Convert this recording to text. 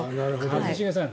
一茂さん